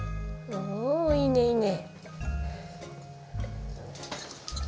うんいいねいいね。